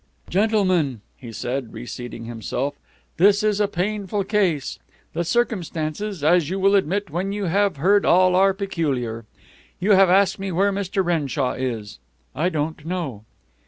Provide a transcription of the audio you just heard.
"Gentlemen," he said, reseating himself, "this is a painful case. The circumstances, as you will admit when you have heard all, are peculiar. You have asked me where Mr. Renshaw is. I don't know."